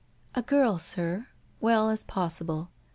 1 A girl, sir. Well as possible.